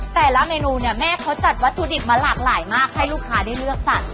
แต่ละเมนูเนี่ยแม่เขาจัดวัตถุดิบมาหลากหลายมากให้ลูกค้าได้เลือกสัตว